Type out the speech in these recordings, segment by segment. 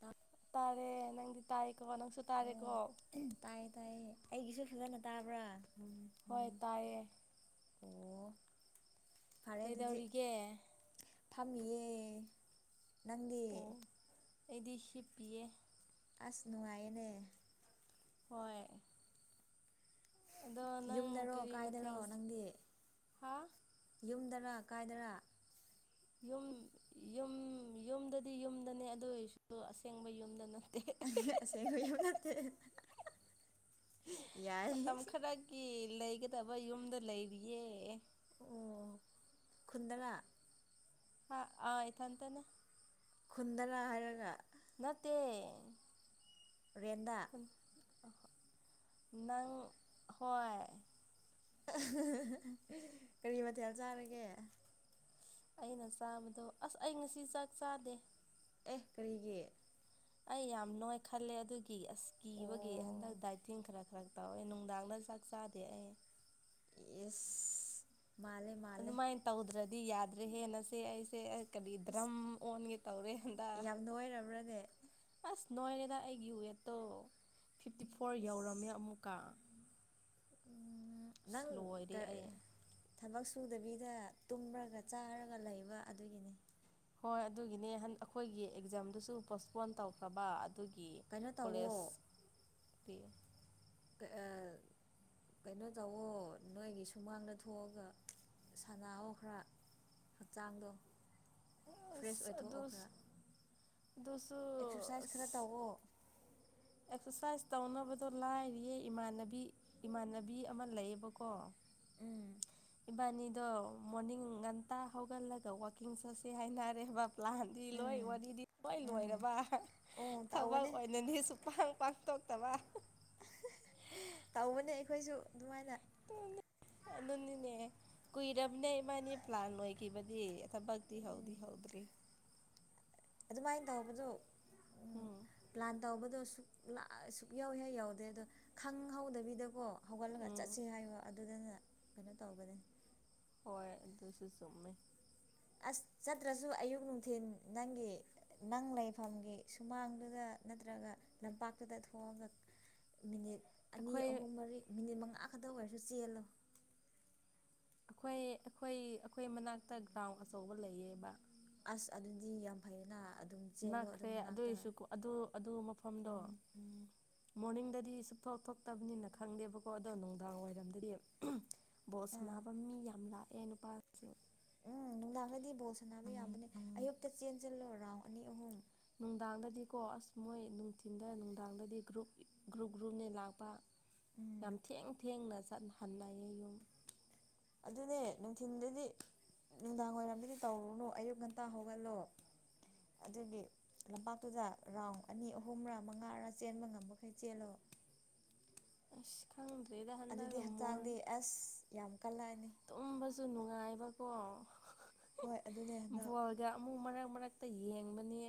ꯇꯞ ꯇꯥꯔꯦ ꯅꯪꯗꯤ ꯇꯥꯏꯀꯣ ꯅꯪꯁꯨ ꯇꯥꯔꯦꯀꯣ ꯑꯣ ꯇꯥꯏꯌꯦ ꯇꯥꯏꯌꯦ ꯑꯩꯒꯤꯁꯨ ꯈꯖꯅ ꯇꯥꯕ꯭ꯔꯥ ꯎ ꯍꯣꯏ ꯇꯥꯏꯌꯦ ꯑꯣ ꯀꯩꯗꯧꯔꯤꯒꯦ ꯊꯝꯃꯤꯌꯦ ꯅꯪꯗꯤ ꯑꯗꯨꯗꯤ ꯍꯞ ꯄ ꯑꯁ ꯅꯨꯡꯉꯥꯏꯅꯦ ꯍꯣꯏ ꯑꯗꯣ ꯅꯪ ꯌꯨꯝꯗꯔꯣ ꯀꯔꯤ ꯀꯥꯏꯗꯔꯣ ꯃꯊꯦꯜ ꯅꯪꯗꯤ ꯍꯥ ꯌꯨꯝꯗꯔ ꯀꯥꯏꯗꯅ ꯌꯨꯝ ꯌꯨꯝ ꯌꯨꯝꯗꯗꯤ ꯌꯨꯝꯗꯅꯦ ꯑꯗꯨ ꯑꯣꯏꯔꯁꯨ ꯑꯁꯦꯡꯕ ꯌꯨꯝꯗꯅ ꯑꯁꯦ ꯌꯥꯝ ꯅꯠꯇ ꯃꯇꯝ ꯈꯔꯒꯤ ꯂꯩꯒꯗꯕ ꯌꯨꯝꯗ ꯂꯩꯔꯤꯌꯦ ꯑꯣ ꯈꯨꯟꯗꯅ ꯑ ꯑꯊꯇꯅꯦ ꯈꯨꯟꯗꯔꯥ ꯍꯥꯏꯔꯒ ꯅꯠꯇ ꯔꯦꯟꯗꯥ ꯅꯪ ꯍꯣꯏ ꯀꯔꯤ ꯃꯊꯦꯜ ꯆꯥꯔꯒꯦ ꯑꯩꯅ ꯆꯥꯕꯗꯣ ꯑꯁ ꯑꯩ ꯉꯁꯤ ꯆꯥꯛ ꯆꯥꯗꯦ ꯑꯦ ꯀꯔꯤꯒꯤ ꯑꯩ ꯌꯥꯝꯅꯣꯏ ꯈꯜꯂꯦ ꯑꯗꯨꯒꯤ ꯑꯁ ꯀꯤꯕꯒꯤ ꯑꯣ ꯍꯟꯗꯛ ꯗꯥꯏꯇꯤꯡ ꯈꯔ ꯈꯔ ꯇꯧꯋꯦ ꯅꯨꯡꯗꯥꯡꯗ ꯆ ꯆꯥꯗꯦ ꯏꯁ ꯃꯥꯂꯦ ꯃꯥꯂꯦ ꯗꯤ ꯌꯥꯗ꯭ꯔꯦ ꯍꯦꯟꯅꯁꯦ ꯑꯩꯁꯦ ꯀꯔꯤ ꯏꯁ ꯗ꯭ꯔꯝ ꯑꯣꯟꯒꯦ ꯇꯧꯔꯦ ꯍꯟꯗ ꯌꯥꯝ ꯅꯣꯏꯔꯕ꯭ꯔꯅꯦ ꯑꯁ ꯅꯣꯏꯔꯦꯗ ꯑꯩꯒꯤ ꯋꯦꯠꯇꯣ ꯐꯤꯐꯇꯤ ꯐꯣꯔ ꯌꯧꯔꯝꯃꯦ ꯏꯁ ꯑꯃꯨꯛꯀ ꯑꯁ ꯅꯪ ꯂꯣꯏꯔꯦ ꯑꯩ ꯊꯕꯛ ꯁꯨꯗꯕꯤ ꯁꯦ ꯇꯨꯝꯔꯒ ꯆꯥꯔꯒ ꯂꯩꯕ ꯑꯗꯨꯒꯤꯅꯤ ꯍꯣꯏ ꯑꯗꯨꯒꯤꯅꯦ ꯑꯩꯈꯣꯏꯒꯤ ꯑꯦꯛꯖꯥꯝꯗꯨꯁꯨ ꯄꯣꯁꯄꯣꯟ ꯇꯧꯈ꯭ꯔꯕ ꯑꯗꯨ ꯑꯗꯨꯒꯤ ꯀꯩꯅꯣ ꯀꯂꯦꯖ ꯇꯧꯋꯣ ꯄ ꯀ ꯀꯩꯅꯣ ꯇꯧꯋꯣ ꯅꯣꯏꯒꯤ ꯁꯨꯃꯥꯡꯗ ꯊꯣꯛꯑꯒ ꯁꯅꯥꯑꯣ ꯈꯔ ꯍꯛꯆꯥꯡꯗꯣ ꯐ꯭ꯔꯦꯁ ꯑꯣꯏꯊꯣꯛꯑꯣ ꯈꯔ ꯑꯦꯛꯁꯔꯁꯥꯏꯁ ꯈꯔ ꯇꯧꯋꯣ ꯣꯁꯨꯣ ꯑꯦꯛꯁꯔꯁꯥꯏꯁ ꯇꯧꯅꯕꯗꯣ ꯂꯥꯏꯔꯤꯌꯦ ꯏꯃꯥꯟꯅꯕꯤ ꯏꯃꯥꯟꯅꯕꯤ ꯑꯃ ꯂꯩꯌꯦꯕꯀꯣ ꯎꯝ ꯏꯕꯥꯅꯤꯗꯣ ꯃꯣꯔꯅꯤꯡ ꯉꯟꯇꯥ ꯍꯧꯒꯠꯂꯒ ꯋꯥꯛꯀꯤꯡ ꯆꯠꯁꯦ ꯍꯥꯏꯅꯔꯦ ꯕꯞ ꯂꯥꯟꯗꯤ ꯂꯣꯏ ꯎꯝ ꯋꯥꯔꯤꯗꯤ ꯂꯣꯏ ꯎꯝ ꯂꯣꯏꯔꯕ ꯎꯝ ꯊꯕꯛ ꯇꯧꯕꯅꯦ ꯑꯣꯏꯅꯅꯤ ꯁ ꯇꯧꯕꯅꯦ ꯑꯩꯈꯣꯏꯁꯨ ꯑꯗꯨꯃꯥꯏꯅ ꯑꯗꯨꯅꯤꯅꯦ ꯀꯨꯏꯔꯕꯅꯦ ꯏꯃꯥꯅꯤ ꯄ꯭ꯂꯥꯟ ꯂꯣꯏꯈꯤꯕꯗꯤ ꯊꯕꯛꯇꯤ ꯍꯧꯗꯤ ꯍꯧꯗ꯭ꯔꯤ [inaudible] ꯑꯗꯨꯃꯥꯏꯅ ꯇꯧꯕꯗꯣ ꯎꯝ ꯄ꯭ꯂꯥꯟ ꯇꯧꯕꯗꯣ ꯑꯛ ꯂꯥꯛ ꯑꯁꯨꯛ ꯌꯥꯎꯏ ꯌꯥꯎꯗꯦ ꯑꯗꯣ ꯈꯪꯍꯧꯗꯕꯤꯗꯀꯣ ꯍꯧꯒꯠꯂꯒ ꯎꯝ ꯆꯠꯁꯤ ꯍꯥꯏꯕ ꯑꯗꯨꯗꯅ ꯀꯩꯅꯣ ꯇꯧꯕꯅꯤ ꯍꯣꯏ ꯑꯗꯨ ꯁꯨꯆꯨꯡꯃꯦ ꯑꯁ ꯆꯠꯇ꯭ꯔꯁꯨ ꯑꯌꯨꯛ ꯅꯨꯡꯊꯤꯟꯜ ꯅꯪꯒꯤ ꯅꯪ ꯂꯩꯐꯝꯒꯤ ꯁꯨꯃꯥꯡꯗꯨꯗ ꯅꯠꯇ꯭ꯔ ꯔꯒ ꯂꯝꯄꯥꯛꯇꯨꯗ ꯊꯣꯛꯑꯒ ꯃꯤꯅꯤꯠ ꯑꯅꯤ ꯑꯩꯈꯣꯏ ꯑꯍꯨꯝ ꯃꯔꯤ ꯃꯤꯅꯤꯠ ꯃꯉꯥ ꯈꯛꯇꯪ ꯑꯣꯏꯔꯁꯨ ꯆꯦꯜꯂꯣ ꯑꯩꯈꯣꯏ ꯑꯩꯈꯣꯏ ꯑꯩꯈꯣꯏ ꯃꯅꯥꯛꯇ ꯒ꯭ꯔꯥꯎꯟ ꯑꯆꯧꯕ ꯂꯩꯌꯦꯕ ꯑꯁ ꯑꯗꯨꯗꯤ ꯌꯥꯝ ꯐꯩꯌꯦꯅ ꯑꯗꯨꯝ ꯆꯦꯜꯂꯣ ꯑꯗꯨ ꯅꯛꯈ꯭ꯔꯦ ꯃꯅꯥꯛꯇ ꯑꯗꯨꯏꯁꯨ ꯑꯗꯨ ꯑꯗꯨ ꯃꯐꯝꯗꯣ ꯃꯣꯔꯅꯤꯡꯗꯗꯤ ꯆꯨꯞꯊꯣꯛ ꯊꯣꯛꯇꯕꯅꯤꯅ ꯈꯪꯗꯦꯕꯀꯣ ꯑꯗꯣ ꯅꯨꯡꯗꯥꯡ ꯋꯥꯏꯔꯝꯗꯗꯤ ꯕꯣꯠ ꯑꯥ ꯁꯅꯥꯅꯕ ꯃꯤ ꯌꯥꯝ ꯂꯥꯛꯑꯦ ꯅꯨꯄꯥ ꯎꯝ ꯅꯨꯡꯗꯥꯡꯒꯗꯤ ꯕꯣꯜ ꯁꯥꯟꯅꯕ ꯌꯥꯕꯅꯦ ꯑꯌꯨꯛꯇ ꯆꯦꯟ ꯆꯜꯂꯣ ꯔꯔꯥꯎ ꯅꯨꯡꯗꯥꯡꯗꯗꯤꯀꯣ ꯑꯁ ꯃꯣꯏ ꯅꯨꯡꯊꯤꯟꯗ ꯅꯨꯡꯗꯥꯡꯗꯗꯤ ꯒ꯭ꯔꯨꯞ ꯒ꯭ꯔꯨꯞ ꯒ꯭ꯔꯨꯞꯅꯦ ꯂꯥꯛꯄ ꯎꯝ ꯌꯥꯝ ꯊꯦꯡ ꯊꯦꯡꯅ ꯆꯠꯍꯟꯅꯌꯦ ꯌꯨꯝ ꯑꯗꯨꯅꯦ ꯅꯨꯡꯊꯤꯟꯗꯗꯤ ꯅꯨꯡꯗꯥꯡ ꯋꯥꯏꯔꯝꯗꯗꯤ ꯇꯧꯔꯨꯅꯨ ꯑꯌꯨꯛ ꯉꯟꯇꯥ ꯍꯧꯒꯠꯂꯣ ꯑꯗꯨꯒꯤ ꯂꯝꯄꯥꯛꯇꯨꯗ ꯔꯥꯎꯟ ꯑꯅꯤ ꯑꯍꯨꯝꯔ ꯃꯉꯥꯔꯥ ꯆꯦꯟꯕ ꯉꯝꯕꯈꯩ ꯆꯦꯜꯂꯣ [inaudible] ꯑꯁ ꯈꯪꯗ꯭ꯔꯦꯗ ꯑꯗꯨꯗꯤ ꯍꯟꯗꯛꯒ ꯃꯣꯟ ꯍꯛꯆꯥꯡꯗꯤ ꯑꯁ ꯌꯥꯝ ꯀꯜꯂꯛꯑꯅꯤ ꯇꯨꯝꯕꯁꯨ ꯅꯨꯡꯉꯥꯏꯕ ꯑꯣ ꯍꯣꯏ ꯑꯗꯨꯅꯦ ꯍꯟꯗꯛ ꯕꯣꯜꯒ ꯑꯃꯨ ꯃꯔꯛ ꯃꯔꯛ ꯇ ꯌꯦꯡꯕꯅꯦ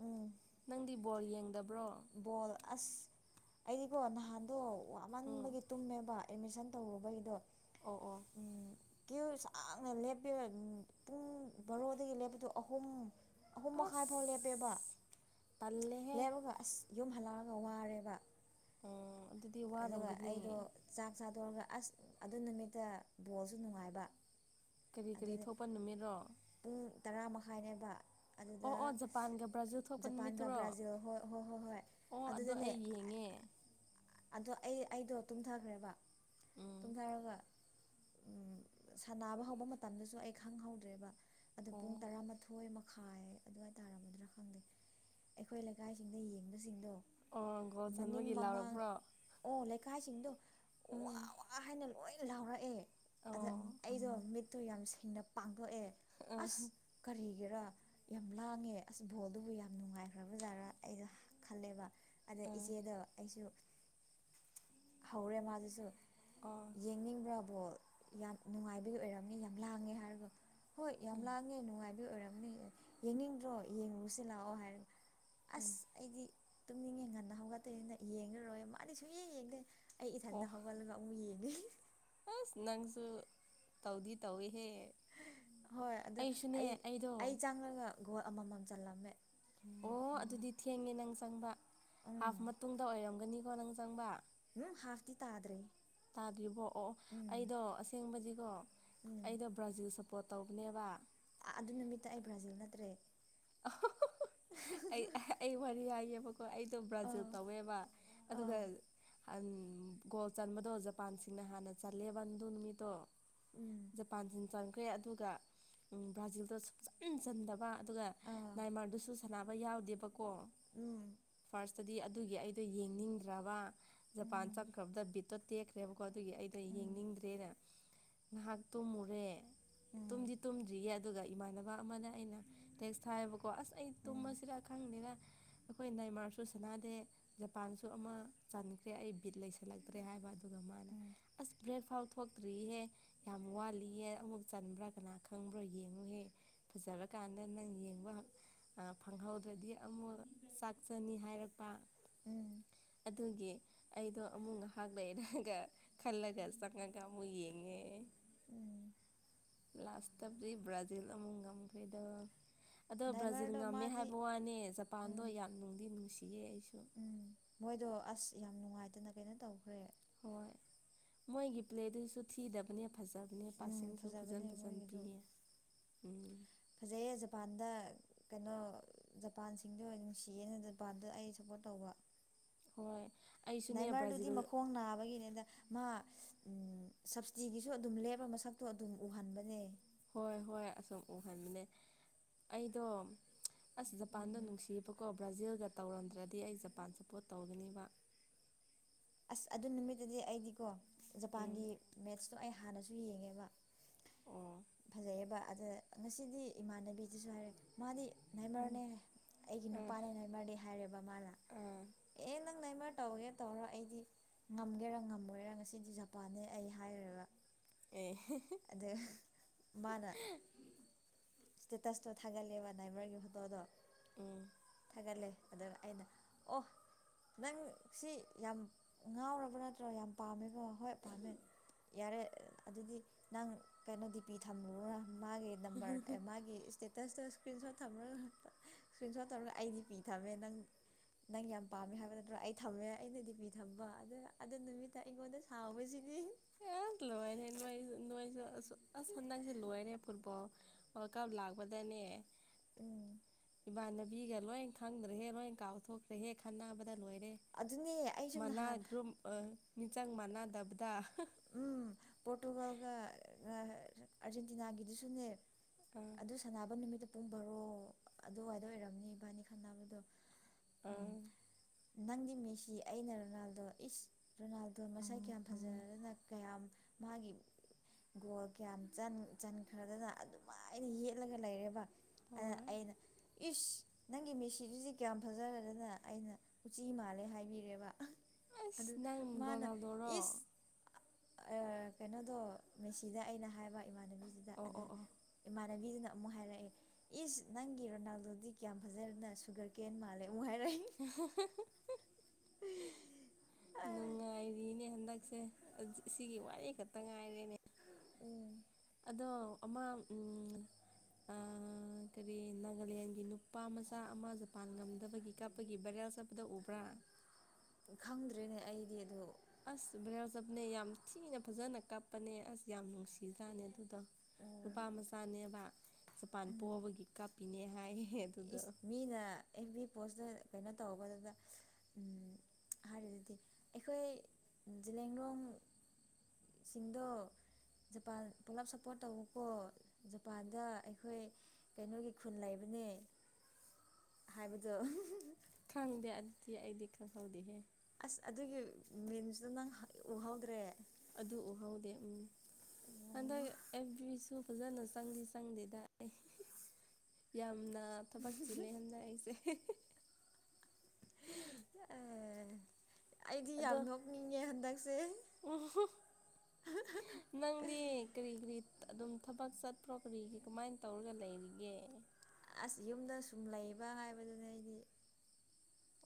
ꯎꯝ ꯅꯪꯗꯤ ꯕꯣꯜ ꯌꯦꯡꯗꯕ ꯕꯣꯜ ꯑꯁ ꯑꯩꯗꯤꯀꯣ ꯅꯍꯥꯟꯗꯣ ꯎꯝ ꯋꯥꯃꯟꯕꯒꯤ ꯇꯨꯝꯃꯦꯕ ꯑꯦꯠꯃꯤꯁꯟ ꯇꯧꯔꯨꯕꯒꯤꯗꯣ ꯑꯣ ꯑꯣ ꯀ꯭ꯌꯨ ꯁꯥꯡꯅ ꯂꯦꯞꯄꯤ ꯄꯨꯡ ꯕꯥꯔꯣꯗꯒꯤ ꯂꯦꯞꯄꯗꯨ ꯑꯍꯨꯝ ꯑꯍꯨꯝ ꯃꯈꯥꯏ ꯑꯁ ꯐꯥꯎ ꯂꯦꯞꯄꯦꯕ ꯇꯜꯂꯦꯍꯦ ꯂꯦꯞꯄꯒ ꯑꯁ ꯑꯗꯨꯝ ꯍꯜꯂꯛꯑꯒ ꯋꯥꯔꯦꯕ ꯎꯝ ꯑꯗꯨꯗꯤ ꯑꯗꯨꯒ ꯋꯥꯔꯝꯒꯅꯤ ꯑꯩꯗꯣ ꯆꯥꯛ ꯆꯥꯗꯣꯔꯒ ꯑꯁ ꯑꯗꯨ ꯅꯨꯃꯤꯠꯇ ꯕꯣꯜꯁꯨ ꯅꯨꯡꯉꯥꯏꯕ ꯀꯔꯤ ꯀꯔꯤ ꯑꯗꯨꯗꯤ ꯊꯣꯛꯄ ꯅꯨꯃꯤꯠꯔꯣ ꯄꯨꯡ ꯇꯔꯥ ꯃꯈꯥꯏꯅꯦꯕ ꯑꯣ ꯑꯗꯨꯗ ꯑꯣ ꯖꯄꯥꯟꯒ ꯕ꯭ꯔꯥꯖꯤꯜ ꯊꯣꯛꯄ ꯖꯄꯥꯟꯒ ꯅꯨꯃꯤꯠꯇꯨꯔꯣ ꯕ꯭ꯔꯥꯖꯤꯜ ꯍꯣꯏ ꯍꯣꯏ ꯍꯣꯏ ꯍꯣꯏ ꯑꯣ ꯑꯗꯣ ꯑꯗꯨꯗꯅꯦ ꯑꯩ ꯌꯦꯡꯉꯦ ꯑꯗꯣ ꯑꯩ ꯑꯩꯗꯣ ꯇꯨꯝꯊꯈ꯭ꯔꯦꯕ ꯎꯝ ꯇꯨꯝꯊꯔꯒ ꯎ ꯁꯥꯟꯅꯕ ꯍꯧꯕ ꯃꯇꯝꯗꯁꯨ ꯑꯩ ꯈꯪꯍꯧꯗ꯭ꯔꯦꯕ ꯑꯗꯨ ꯄꯨꯡ ꯑꯣ ꯇꯔꯥꯃꯥꯊꯣꯏ ꯈꯥꯏ ꯑꯗꯨꯋꯥꯏꯇꯥꯥꯔꯝꯃꯗ꯭ꯔꯥ ꯈꯪꯗꯦ ꯑꯩꯈꯣꯏ ꯂꯩꯀꯥꯏꯁꯤꯡꯗ ꯌꯦꯡꯕꯁꯤꯡꯗꯣ ꯑꯣ ꯒꯣꯜ ꯃꯅꯤꯡ ꯆꯟꯕꯒꯤ ꯃꯃꯥꯡ ꯂꯥꯎꯔꯛꯄ꯭ꯔꯣ ꯑꯣ ꯂꯩꯀꯥꯏꯁꯤꯡꯗꯣ ꯋꯥ ꯎꯝ ꯋꯥ ꯍꯥꯏꯅ ꯂꯣꯏ ꯂꯥꯎꯔꯛꯑꯦ ꯑꯗ ꯑꯣ ꯑꯩꯗꯣ ꯃꯤꯠꯇꯣ ꯌꯥꯝ ꯁꯦꯡꯅ ꯄꯥꯝ ꯊꯣꯛꯣꯛꯑꯦ ꯑꯥ ꯑꯁ ꯀꯔꯤ ꯔꯥ ꯌꯥꯝ ꯂꯥꯡꯉꯦ ꯑꯁ ꯕꯣꯜꯗꯨꯕꯨ ꯌꯥꯝ ꯅꯨꯡꯉꯥꯏꯈ꯭ꯔꯕ ꯖꯥꯔꯥ ꯑꯩꯁꯨ ꯈꯜꯂꯦꯕ ꯑꯗ ꯑꯥ ꯏꯆꯦꯗ ꯑꯩꯁꯨ ꯍꯧꯔꯦ ꯃꯥꯗꯨꯁꯨ ꯑꯣ ꯌꯦꯡꯅꯤꯡꯕ꯭ꯔꯕꯣ ꯌꯥꯝ ꯅꯨꯡꯉꯥꯏꯕꯒꯤ ꯑꯣꯏꯔꯝꯅꯤ ꯌꯥꯝ ꯂꯥꯡꯉꯦ ꯍꯥꯏꯔꯒ ꯍꯣꯏ ꯌꯥꯝ ꯎꯝ ꯂꯥꯡꯉꯦ ꯅꯨꯡꯉꯥꯏꯕꯤ ꯑꯣꯏꯔꯝꯅꯤ ꯌꯦꯡꯅꯤꯡꯗ꯭ꯔꯣ ꯌꯦꯡꯉꯨꯁꯤ ꯂꯥꯛꯑꯣ ꯍꯥꯏꯔ ꯎꯝ ꯑꯁ ꯑꯩꯗꯤ ꯇꯨꯝꯅꯤꯡ ꯌꯦꯡ ꯉꯟꯅ ꯍꯧꯒꯠꯇꯣꯏꯅꯤꯅ ꯌꯦꯡꯂꯡꯉꯨꯔꯣꯏ ꯃꯥꯗꯤ ꯁꯨꯡꯌꯦ ꯌꯦꯡꯗꯦ ꯑꯩ ꯑꯣ ꯏꯊꯟꯇ ꯍꯧꯒꯠꯂꯒ ꯑꯃꯨꯛ ꯌꯦꯡꯉꯦ ꯑꯁ ꯅꯪꯁꯨ ꯇꯧꯗꯤ ꯇꯧꯏ ꯍꯦ ꯍꯣꯏ ꯑꯗꯨ ꯑꯩ ꯑꯩꯗꯣ ꯑꯩ ꯆꯪꯉꯒ ꯒꯣꯜ ꯑꯃꯃꯝ ꯆꯜꯂꯝꯃꯦ ꯎꯝ ꯑꯣ ꯎꯝ ꯑꯗꯨꯗꯤ ꯊꯦꯡꯉꯦ ꯅꯪ ꯆꯪꯕ ꯍꯥꯐ ꯎꯝ ꯃꯇꯨꯡꯗ ꯑꯣꯏꯔꯝꯒꯅꯤꯀꯣ ꯅꯪ ꯆꯪꯕ ꯎꯝ ꯍꯥꯥꯥꯛꯇ ꯇꯗ꯭ꯔꯦ ꯇꯥꯗ꯭ꯔꯤꯕꯣ ꯑꯣ ꯑꯩꯗꯣ ꯑꯁꯦꯡꯕꯗꯤꯀꯣ ꯎꯝ ꯑꯩꯗꯣ ꯕ꯭ꯔꯥꯖꯤꯜ ꯁꯄ ꯄꯣ ꯇꯧꯅꯦꯕ ꯑꯗꯨ ꯅꯨꯃꯤꯠꯇ ꯑꯩ ꯕ꯭ꯔꯥꯖꯤꯜ ꯅꯠꯇ꯭ꯔꯦ ꯑꯩ ꯑꯩ ꯋꯥꯔꯤꯔꯤ ꯍꯥꯏꯌꯦ ꯍꯣꯏ ꯑꯩꯗꯣ ꯕ꯭ꯔꯥꯖꯤꯜ ꯑꯥ ꯇꯧꯋꯦꯕ ꯑꯗꯨꯒ ꯑꯥ ꯒꯣꯜ ꯆꯟꯕꯗꯣ ꯖꯄꯥꯟꯁꯤꯡꯅ ꯍꯥꯟꯅ ꯆꯜꯂꯦꯕꯟꯗꯨ ꯅꯨꯃꯤꯠꯇꯣ ꯎꯝ ꯖꯄꯥꯟꯁꯤ ꯆꯟꯈ꯭ꯔꯦ ꯑꯗꯨꯒ ꯕ꯭ꯔꯥꯖꯤꯜꯗ ꯐꯆꯟ ꯆꯟꯗꯕ ꯑꯗꯨꯒ ꯑꯥ ꯅꯥꯏꯃꯔꯗꯨꯁꯨ ꯁꯥꯟꯅꯕ ꯌꯥꯎꯗꯦꯕꯀꯣ ꯎꯝ ꯗꯤ ꯑꯗꯨꯒꯤ ꯑꯩꯗꯣ ꯌꯦꯡꯅꯤꯡꯗ꯭ꯔꯕ ꯖꯄꯥꯟ ꯎꯝ ꯆꯪꯈ꯭ꯔꯕꯗ ꯕꯤꯠꯇꯣ ꯇꯦꯛꯈ꯭ꯔꯦꯕ ꯀꯣ ꯑꯗꯨꯒꯤ ꯑꯩꯗ ꯎꯝ ꯌꯦꯡꯅꯤꯡꯗ꯭ꯔꯦꯅ ꯉꯥꯏꯍꯥꯛꯇꯣ ꯃꯨꯔꯦ ꯎꯝ ꯇꯨꯝꯗꯤ ꯇꯨꯝꯗ꯭ꯔꯤꯌꯦ ꯑꯗꯨꯒ ꯏꯃꯥꯟꯅꯕ ꯑꯃꯅ ꯑꯩꯅ ꯇꯦꯛꯁ ꯊꯥꯏꯕꯀꯣ ꯑꯁ ꯑꯩ ꯎꯝ ꯇꯨꯝꯕꯁꯤꯗ ꯈꯪꯅꯤꯅ ꯑꯩꯈꯣꯏ ꯃꯦꯟꯃꯥꯔꯁꯨ ꯁꯥꯟꯅꯥꯗꯦ ꯖꯄꯥꯟꯁꯨ ꯑꯃ ꯆꯥꯟꯈ꯭ꯔꯦ ꯑꯩ ꯑꯩ ꯕꯤꯠ ꯂꯩꯁꯜꯂꯛꯇ꯭ꯔꯦ ꯍꯥꯏꯕ ꯑꯗꯨꯒ ꯃꯥꯅ ꯎꯝ ꯑꯁ ꯕ꯭ꯔꯦꯛ ꯐꯥꯎ ꯊꯣꯛꯇ꯭ꯔꯤꯍꯦ ꯌꯥꯝ ꯋꯥꯠꯂꯤꯍꯦ ꯑꯃꯨꯛ ꯆꯟꯕ꯭ꯔꯥ ꯀꯅꯥ ꯈꯪꯕ꯭ꯔꯣ ꯌꯦꯡꯉꯨꯍꯦ ꯐꯖꯔ ꯀ ꯇꯗ ꯌꯦꯡꯕ ꯐꯪꯍꯧꯗ꯭ꯔꯗꯤ ꯑꯃꯨꯛ ꯆꯥꯛ ꯆꯅꯤ ꯍꯥꯏꯔꯛꯄ ꯎꯝ ꯑꯗꯨꯒꯤ ꯑꯩꯗꯣ ꯑꯃꯨꯛ ꯉꯥꯏꯍꯥꯛ ꯂꯩꯔꯒ ꯈꯜꯂꯒ ꯆꯪꯉꯒ ꯑꯃꯨꯛ ꯌꯦꯡꯉꯦ ꯎꯝ ꯂꯥꯁꯇ ꯑꯕꯗꯤ ꯕ꯭ꯔꯥꯖꯤꯜ ꯑꯃꯨ ꯉꯝꯈꯩꯗ ꯑꯗꯣ ꯕ꯭ꯔꯥꯖꯤꯜ ꯅꯥꯏꯃꯔꯗꯣ ꯉꯝꯃꯦ ꯃꯥꯗꯤ ꯍꯥꯏꯕ ꯋꯥꯅꯦ ꯖꯄꯥꯟꯗꯣ ꯎꯝ ꯌꯥꯝ ꯅꯨꯡꯗꯤ ꯅꯨꯡꯁꯤꯌꯦ ꯑꯩꯁꯨ ꯎꯝ ꯃꯣꯏꯗꯣ ꯑꯁ ꯌꯥꯝ ꯅꯨꯡꯉꯥꯏꯇꯅ ꯀꯩꯅꯣ ꯇꯧꯈ꯭ꯔꯦ ꯍꯣꯏ ꯃꯣꯏꯒꯤ ꯄ꯭ꯂꯦꯗꯨꯁꯨ ꯊꯤꯗꯕꯅꯤ ꯐꯖꯕꯅꯦ ꯎꯝ ꯄꯥꯁꯤꯡꯁꯨ ꯐꯖꯕꯅꯦ ꯐꯖꯟ ꯐꯖꯟ ꯃꯣꯏꯒꯤꯗꯨ ꯄꯤꯌꯦ ꯎꯝ ꯐꯖꯩꯌꯦ ꯖꯄꯥꯟꯗ ꯀꯩꯅꯣ ꯖꯄꯥꯟꯁꯤꯡꯗ ꯑꯣꯏꯅ ꯅꯨꯡꯁꯤꯌꯦꯅ ꯖꯄꯥꯟꯗ ꯑꯩ ꯁꯞꯄꯣꯔꯠ ꯇꯧꯕ ꯍꯣꯏ ꯑꯩꯁꯨꯅꯦ ꯗꯥꯏꯃꯔꯗꯨꯗꯤ ꯕ꯭ꯔꯥꯖꯤꯜ ꯃꯈꯣꯡ ꯅꯥꯕꯒꯤꯅꯦꯗ ꯃꯥ ꯎ ꯁꯞꯕꯁꯤꯗꯤꯒꯤꯁꯨ ꯑꯗꯨꯝ ꯂꯦꯞꯄ ꯃꯁꯛꯇꯣ ꯑꯗꯨꯝ ꯎꯍꯟꯕꯅꯦ ꯍꯣꯏ ꯍꯣꯏ ꯑꯁꯨꯝ ꯎꯍꯟꯕꯅꯦ ꯑꯩꯗꯣ ꯑꯁ ꯖꯄꯥꯟꯗ ꯎꯝ ꯅꯨꯡꯁꯤꯕꯀꯣ ꯕ꯭ꯔꯥꯖꯤꯜꯒ ꯇꯧꯔꯝꯗ꯭ꯔꯗꯤ ꯑꯩ ꯖꯄꯥꯟ ꯁꯞꯄꯣꯔꯠ ꯇꯧꯒꯅꯦꯕ [inaudible] ꯑꯁ ꯑꯗꯨ ꯅꯨꯃꯤꯠꯇꯨꯗꯤ ꯑꯩꯗꯤꯀꯣ ꯖꯄꯥꯟꯒꯤ ꯎꯝ ꯃꯦꯠꯁꯇꯣ ꯑꯩ ꯍꯥꯟꯅꯁꯨ ꯌꯦꯡꯉꯦꯕ ꯑꯣ ꯐꯖꯩꯑꯕ ꯑꯗ ꯉꯁꯤꯗꯤ ꯏꯃꯥꯟꯅꯕꯤꯁꯤꯁꯨ ꯍꯥꯏꯔꯦ ꯃꯥꯗꯤ ꯎꯝ ꯅꯥꯏꯃꯔꯅꯦ ꯑꯩꯒꯤ ꯑꯥ ꯅꯨꯄꯥꯅꯦ ꯅꯥꯏꯃꯔꯅꯦ ꯍꯥꯏꯔꯦꯕ ꯃꯥꯂ ꯑꯥ ꯑꯦ ꯅꯪ ꯅꯥꯏꯃꯔ ꯇꯧꯒꯦ ꯇꯧꯔ ꯑꯩꯗꯤ ꯉꯝꯒꯦꯔ ꯉꯝꯃꯣꯏꯔ ꯉꯁꯤꯗꯤ ꯖꯄꯥꯟꯅꯦ ꯑꯩ ꯍꯥꯏꯈꯔꯒ ꯑꯦ ꯃꯥꯅ ꯏꯁꯇꯦꯇꯁꯇꯣ ꯊꯥꯒꯠꯂꯦꯕ ꯗꯥꯏꯚꯔꯒꯤ ꯐꯣꯇꯣꯗꯣ ꯎꯝ ꯊꯥꯒꯠꯂꯦ ꯑꯗ ꯑꯩꯅ ꯑꯣ ꯅꯪ ꯁꯤ ꯌꯥꯝ ꯉꯥꯎꯔꯕ ꯅꯠꯇ꯭ꯔꯣ ꯌꯥꯝ ꯄꯥꯝꯃꯦꯀꯣ ꯍꯣꯏ ꯄꯥꯝꯃꯦ ꯌꯥꯔꯦ ꯑꯗꯨꯗꯤ ꯅꯪ ꯀꯩꯅꯣ ꯗꯤ ꯄꯤ ꯊꯝꯂꯨꯔꯣꯅ ꯃꯥꯒꯤ ꯅꯝꯕꯔ ꯃꯥꯒꯤ ꯏꯁꯇꯦꯇꯁꯇꯣ ꯏꯁꯀ꯭ꯔꯤꯟ ꯁꯣꯠ ꯊꯝꯒ ꯏꯁꯀ꯭ꯔꯤꯟ ꯁꯣꯠ ꯊꯝꯔꯒ ꯑꯩꯥꯏ ꯗꯤ ꯄꯤ ꯊꯝꯃꯦ ꯅꯪ ꯅꯪ ꯌꯥꯝ ꯄꯥꯝꯃꯦ ꯍꯥꯏꯕ ꯅꯠꯇ꯭ꯔꯣ ꯑꯩ ꯊꯝꯃꯦ ꯑꯩꯅꯗꯤ ꯄꯤ ꯊꯝꯕ ꯑꯗꯨ ꯑꯗꯨ ꯅꯨꯃꯤꯠꯇ ꯑꯩꯉꯣꯟꯗ ꯁꯥꯎꯕꯁꯤꯗꯤ ꯑꯦ ꯂꯣꯏꯅꯦ ꯅꯖ ꯅꯖ ꯑ ꯆꯥꯟꯁ ꯂꯣꯏꯅꯦ ꯐꯨꯠꯕꯜ ꯋꯥꯔꯜꯗ ꯀꯥꯞ ꯂꯥꯛꯄꯗꯅꯦ ꯇꯨꯡ ꯏꯃꯥꯟꯅꯕꯤꯒ ꯂꯣꯏ ꯈꯪꯗ꯭ꯔꯦꯍꯦ ꯂꯣꯏ ꯀꯥꯎꯊꯣꯛꯇ꯭ꯔꯦꯍꯦ ꯈꯟꯅꯕ ꯗ ꯂꯣꯏꯔꯦ ꯑꯗꯨꯅꯦ ꯑꯩꯁꯨ ꯃꯅꯥ ꯅꯍꯥꯟ ꯒ꯭ꯔꯨꯞ ꯃꯤꯆꯪ ꯃꯅꯗꯕꯗ ꯎꯝ ꯄꯣꯔꯇꯨꯒꯜꯒ ꯑꯥꯔꯖꯦꯟꯇꯤꯅꯥꯒꯤꯗꯨꯁꯨꯅꯦ ꯑꯥ ꯑꯗꯨ ꯁꯥꯟꯅꯕ ꯅꯨꯃꯤꯠꯇ ꯄꯨꯡ ꯕꯥꯔꯣ ꯑꯗꯨꯋꯥꯏꯗ ꯑꯣꯏꯔꯝꯅꯤ ꯏꯕꯥꯅꯤ ꯈꯟꯅꯕꯗꯣ ꯎꯝ ꯑꯥ ꯅꯪꯗꯤ ꯃꯤꯁꯤ ꯑꯩꯅ ꯔꯣꯅꯥꯜꯗꯣ ꯏꯁ ꯔꯣꯅꯥꯜꯗꯣ ꯃꯁꯛ ꯀꯌꯥꯝ ꯐꯖꯔꯒꯅ ꯀꯌꯥꯝ ꯃꯥꯒꯤ ꯒꯣꯜ ꯀꯌꯥꯝ ꯆꯟꯈ꯭ꯔꯗꯅ ꯑꯗꯨꯃꯥꯏꯅ ꯌꯦꯠꯂꯒ ꯂꯩꯔꯦꯕ ꯑ ꯍꯣꯏ ꯑꯩꯅ ꯏꯁ ꯅꯪꯒꯤ ꯃꯦꯁꯤꯗꯨꯁꯤ ꯀꯌꯥꯝ ꯐꯖꯔꯦꯗꯅ ꯑꯩꯅ ꯎꯆꯤ ꯃꯥꯜꯂꯦ ꯍꯥꯏꯕꯤꯔꯦꯕ ꯑꯗꯨ ꯑꯁ ꯅꯪ ꯃꯥꯅ ꯔꯣꯅꯥꯜꯗꯣꯔꯣ ꯏꯁ ꯀꯩꯅꯣꯗꯣ ꯃꯦꯁꯤꯗ ꯑꯩꯅ ꯍꯥꯏꯕ ꯑꯣ ꯑꯣ ꯑꯣ ꯅꯕꯤꯗꯨꯅ ꯑꯃꯨꯛ ꯍꯥꯏꯔꯛꯑꯦ ꯏꯁ ꯅꯪꯒꯤ ꯔꯣꯅꯥꯜꯗꯣꯗꯤ ꯀꯌꯥꯝ ꯐꯖꯔꯅ ꯁꯨꯒꯔ ꯀꯦꯟ ꯃꯥꯜꯂꯦ ꯑꯃꯨꯛ ꯍꯥꯏꯔꯛꯏ ꯅꯨꯡꯉꯥꯏꯔꯤꯅꯦ ꯍ ꯁꯦ ꯁꯤꯒꯤ ꯋꯥꯔꯤ ꯈꯛꯇ ꯉꯥꯏꯔꯦꯅꯦ ꯎꯝ ꯣ ꯑꯥꯡ ꯀꯔꯤ ꯅꯥꯒꯥꯂꯦꯟꯒꯤ ꯅꯨꯄꯥ ꯃꯆꯥ ꯑꯃ ꯖꯄꯥꯟ ꯉꯝꯗꯕꯒꯤ ꯀꯥꯞꯄꯒꯤ ꯕꯔꯦꯜ ꯆ ꯆꯕꯗ ꯑꯣꯕ꯭ꯔꯥ ꯈꯪꯗ꯭꯭ꯔꯔꯤꯅꯦ ꯑꯩꯗꯤ ꯑꯗꯨ ꯑꯁ ꯕ꯭ꯂꯥꯎꯖꯞꯅꯦ ꯌꯥꯝ ꯊꯤꯅ ꯐꯖꯅ ꯀꯞꯄꯅꯦ ꯑꯁ ꯌꯥꯝ ꯅꯨꯡꯁꯤꯖꯅꯦ ꯑꯗꯨꯗꯣ ꯎꯝ ꯅꯨꯄꯥ ꯃꯆꯥꯅꯦꯕ ꯖꯄꯥꯟ ꯄꯣꯛꯑꯕꯒꯤ ꯀꯥꯞꯄꯤꯅꯦ ꯍꯥꯏ ꯏꯁ ꯃꯤꯅ ꯄꯣꯁꯇ ꯀꯩꯅꯣ ꯇꯧꯕꯧꯕꯗꯨꯗ ꯍꯥꯏꯔꯗꯨꯗꯤ ꯑꯩꯈꯣꯏ ꯂꯦꯡꯔꯣꯡꯁꯤꯡꯗ ꯖꯄꯥꯟ ꯄꯨꯂꯞ ꯁꯞꯄꯣꯔꯠ ꯇꯧꯕꯀꯣ ꯖꯄꯥꯟꯗ ꯑꯩꯈꯣꯏ ꯀꯩꯅꯣꯒꯤ ꯈꯨꯟ ꯂꯩꯕ ꯅ ꯍꯥꯏꯕꯗꯣ ꯈꯪꯗꯦ ꯑꯗꯨꯗꯤ ꯑꯩꯗꯤ ꯈꯪꯍꯧꯗꯦꯍꯦ ꯑꯁ ꯑꯗꯨꯒꯤ ꯃꯤꯟꯁꯨꯗ ꯅꯪ ꯎꯍꯧꯗ꯭ꯔꯦ ꯑꯗꯨ ꯎꯍꯧꯗꯦ ꯎꯝ ꯑꯣ ꯁꯨ ꯐꯖꯅ ꯆꯪꯗꯤ ꯆꯪꯗꯦꯗ ꯑꯩ ꯌꯥꯝꯅ ꯑ ꯊꯕꯛ ꯆꯂꯦ ꯍꯥꯏꯅ ꯑꯩꯁꯦ ꯑ ꯑꯩꯗꯤ ꯌꯥꯝ ꯑꯗꯣ ꯅꯣꯛꯅꯤꯡꯉꯦ ꯍꯟꯗꯛꯁꯦ ꯎꯝ ꯅꯪꯗꯤ ꯀꯔꯤ ꯀꯔꯤ ꯑꯗꯨꯝ ꯊꯕꯛ ꯆꯠꯄ꯭ꯔꯣ ꯀꯔꯤꯒꯤ ꯀꯃꯥꯏꯅ ꯇꯧꯔꯒ ꯂꯩꯔꯤꯒꯦ ꯑꯁ ꯌꯨꯝꯗ ꯁꯨꯝ ꯂꯩꯕ ꯍꯥꯏꯕꯗꯨꯅ ꯑꯩꯗꯤ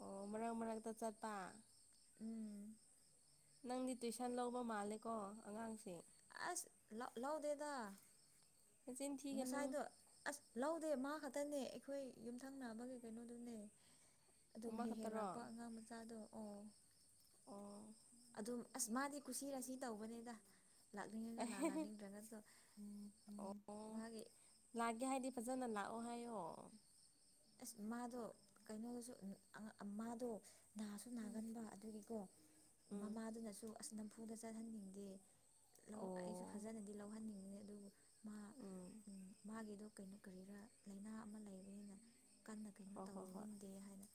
ꯑꯣ ꯃꯛ ꯃꯔꯛꯇ ꯆꯠꯄ ꯎꯝ ꯅꯪꯗꯤ ꯇꯨꯏꯁꯟ ꯂꯧꯕ ꯃꯥꯜꯂꯦꯀꯣ ꯑꯉꯥꯡꯁꯦ ꯑꯁ ꯂꯧꯗꯦꯗ ꯅꯆꯤꯟ ꯊꯤꯒꯅꯨ ꯉꯁꯥꯏꯗꯣ ꯑꯁ ꯂꯧꯗꯦ ꯃꯥ ꯈꯛꯇꯅꯦ ꯑꯩꯈꯣꯏ ꯌꯨꯝꯊꯪ ꯅꯥꯕꯒꯤ ꯀꯩꯅꯣꯗꯨꯅꯦ ꯑꯗꯨꯝ ꯍꯦꯛ ꯍꯦꯛ ꯂꯥꯛꯄ ꯑꯃꯈꯛꯇꯔꯣ ꯑꯉꯥꯡ ꯃꯆꯥꯗꯣ ꯑꯣ ꯑꯣ ꯑꯗꯨꯝ ꯑꯁ ꯃꯥꯗꯤ ꯀꯨꯁꯤꯔꯁꯤ ꯇꯧꯕꯅꯤꯗ ꯂꯥꯛꯅꯤꯡꯉꯒ ꯂꯥꯛꯅꯤꯡꯗ꯭ꯔꯒꯁꯨ ꯃꯥꯒꯤ ꯂꯥꯛꯒꯦ ꯍꯥꯏꯗꯤ ꯐꯖꯅ ꯂꯥꯛꯑꯣ ꯍꯥꯏꯌꯣ ꯑꯁ ꯃꯥꯗꯣ ꯀꯩꯅꯣꯗꯁꯨ ꯃꯥꯗꯣ ꯅꯥꯁꯨ ꯎꯝ ꯅꯥꯒꯟꯕ ꯑꯗꯨꯒꯤꯀꯣ ꯎꯝ ꯃꯃꯥꯗꯨꯅꯁꯨ ꯑꯁ ꯅꯝꯐꯨꯗ ꯆꯠꯍꯟꯅꯤꯡꯗꯦ ꯑꯣ ꯑꯩꯁꯨ ꯐꯖꯅꯗꯤ ꯂꯧꯍꯟꯅꯤꯡꯉꯦ ꯑꯗꯨꯕꯨ ꯃꯥ ꯎꯝ ꯃꯥꯒꯤꯗꯣ ꯀꯩꯅꯣ ꯀꯔꯤꯔꯥ ꯂꯥꯏꯅꯥ ꯑꯃ ꯂꯩꯕꯅꯤꯅ ꯀꯟꯅ ꯀꯩꯅꯣ ꯍꯣꯏ ꯍꯣꯏ ꯍꯣꯏ ꯇꯧꯅꯤꯡꯗꯦ ꯍꯥꯏꯅ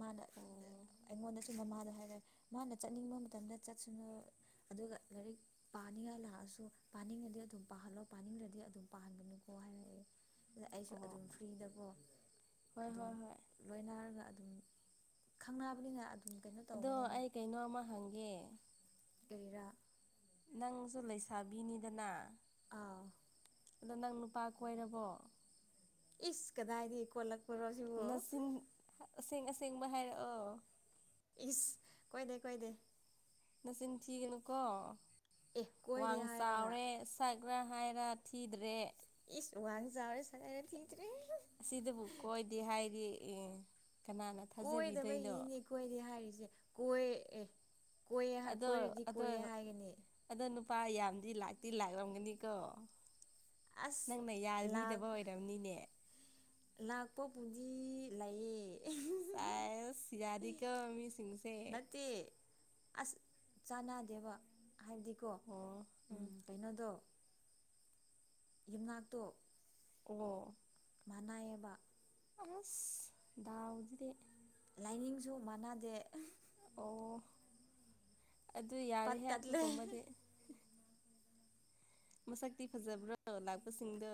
ꯃꯥꯅ ꯑꯣ ꯑꯩꯉꯣꯟꯗꯁꯨ ꯃꯃꯥꯗ ꯍꯥꯏ ꯃꯥꯅ ꯆꯠꯅꯤꯡꯕ ꯃꯇꯝꯗ ꯆꯠꯁꯅꯨ ꯑꯗꯨꯒ ꯂꯥꯏꯔꯤꯛ ꯄꯥꯅꯤꯡꯉꯥꯏ ꯂꯥꯛꯑꯁꯨ꯫ ꯄꯥꯅꯤꯡꯉꯗꯤ ꯑꯗꯨꯝ ꯄꯥꯍꯜꯂꯣ ꯄꯥꯅꯤꯡꯂꯗꯤ ꯑꯗꯨꯝ ꯄꯥꯍꯟꯒꯅꯨꯀꯣ ꯍꯥꯏꯔꯛꯑꯦ ꯑꯗ ꯑꯩꯁꯨ ꯑꯣ ꯑꯗꯨꯝ ꯐ꯭ꯔꯤꯗꯀꯣ ꯍꯣꯏ ꯑꯗꯨꯝ ꯍꯣꯏ ꯍꯣꯏ ꯂꯣꯏꯅꯔꯒ ꯑꯗꯨꯝ ꯈꯪꯑꯕꯅꯤꯅ ꯑꯗꯨ ꯑꯗꯣ ꯑꯩ ꯀꯩꯅꯣ ꯑꯃ ꯍꯪꯒꯦ ꯀꯩꯔꯥ ꯅꯪꯁꯨꯣ ꯂꯩꯁꯥꯕꯤꯅꯤꯗꯅ ꯑꯥ ꯑꯗꯣ ꯅꯪ ꯅꯨꯄꯥ ꯀꯣꯏꯔꯕꯣ ꯏꯁ ꯀꯗꯥꯏꯗꯤꯂꯛ ꯅꯆꯤꯟ ꯑꯁꯦꯡ ꯑꯁꯦꯡꯕ ꯍꯥꯏꯔꯛꯑꯣ ꯏꯁ ꯀꯣꯏꯗꯦ ꯀꯣꯏꯗꯦ ꯅꯆꯤꯟ ꯊꯤꯒꯅꯨꯀꯣ ꯑꯦ ꯀꯣꯏꯗꯦ ꯋꯥꯡ ꯍꯥꯏꯔꯒ ꯆꯥꯎꯔꯦꯛ [inaudible] ꯒ꯭ꯔ ꯍꯥꯏꯔꯥ ꯊꯤꯗ꯭ꯔꯦ ꯁꯨ ꯋꯥ ꯆꯦ ꯁꯉꯥꯏ ꯊꯔꯦ ꯑꯁꯤꯗꯕꯨ ꯀꯣꯏꯗꯦ ꯍꯥꯏꯔꯤ ꯑꯦ ꯀꯅꯥꯅ ꯊꯥꯖꯕꯤꯗꯣꯏꯅꯣ ꯀꯣꯏꯗꯕꯒꯤꯅꯦ ꯀꯣꯏꯗꯦ ꯍꯥꯏꯔꯤꯁꯦ ꯀꯣꯏ ꯑꯦ ꯀꯣꯏꯌꯦ ꯑꯗꯣ ꯀꯣꯏꯔꯗꯤ ꯀꯣꯏꯌꯦ ꯍꯥꯏꯒꯅꯤ ꯂꯄꯥ ꯌꯥꯝꯗꯤ ꯂꯥꯛꯇꯤ ꯂꯥꯛꯔꯝꯒꯅꯤꯀꯣ ꯑꯁ ꯅꯪꯅ ꯂꯥꯛ ꯌꯥꯕꯤꯗꯕ ꯑꯣꯏꯔꯝꯅꯤꯅꯦ ꯂꯥꯛꯄꯕꯨꯗꯤ ꯂꯩꯌꯦ ꯆꯥꯏ ꯆꯌꯥꯗꯤ ꯀꯃꯤ ꯃꯤ ꯆꯤꯡꯁꯦ ꯅꯠꯇꯦ ꯑꯁ ꯆꯥꯟꯅꯗꯦꯕ ꯍꯥꯏꯕꯗꯤꯀꯣ ꯑꯣ ꯎꯝ ꯀꯩꯅꯣꯗꯣ ꯌꯨꯝꯅꯥꯇꯣ ꯑꯣ ꯑꯁ ꯖꯗꯤ ꯂꯥꯏꯅꯤꯡꯁꯨ ꯃꯥꯟꯅꯗꯦ ꯑꯣ ꯑꯗꯨ ꯄꯠ ꯌꯥꯔꯤꯍꯦ ꯇꯠꯂꯦ ꯑꯗꯨꯒꯨꯝꯕꯗꯤ ꯃꯁꯛꯇꯤ ꯐꯖꯕ꯭ꯔꯥ ꯂꯥꯛꯄꯁꯤꯡꯗ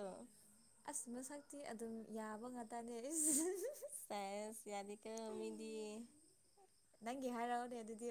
ꯑꯁ ꯃꯁꯛꯇꯤ ꯑꯗꯨꯝ ꯌꯥꯕ ꯉꯥꯛꯇꯅꯦ ꯁꯥꯏꯟꯁ ꯌꯥꯗꯤ ꯀꯃꯤꯗꯤ ꯅꯪꯒꯤ ꯍꯥꯏꯔꯥꯎꯅꯦ ꯌꯥ ꯑꯗꯨꯗꯤ